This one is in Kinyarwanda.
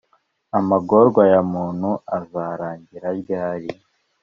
Amagorwa ya muntu azarangira ryari